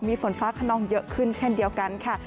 มีฝนฟ้าขนองเยอะขึ้นเช่นเดียวกันค่ะ